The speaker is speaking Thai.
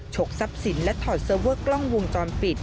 ชกทรัพย์สินและถอดเสอร์เวิร์ฟกล้องวงจ้อนปิด